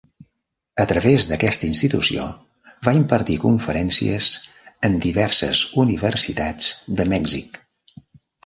A través d'aquesta institució va impartir conferències en diverses Universitats de Mèxic.